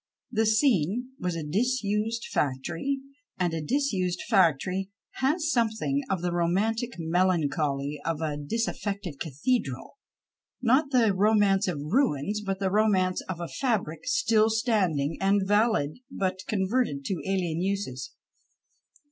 The scene was a disused factory, and a disused factory has something of the romantic melancholy of a dis affected cathedral — not the romance of ruins, but the romance of a fabric still standing and valid, but converted to alien uses.